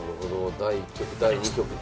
第１局第２局と。